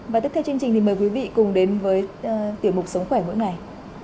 và tiếp theo chương trình thì mời quý vị cùng đến với tiểu mục sống khỏe mỗi ngày